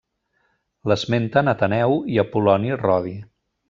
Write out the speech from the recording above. L'esmenten Ateneu i Apol·loni Rodi.